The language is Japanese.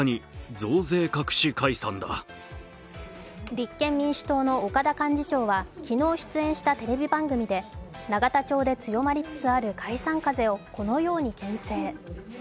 立憲民主党の岡田幹事長は昨日、出演したテレビ番組で永田町で強まりつつある解散風をこのようにけん制。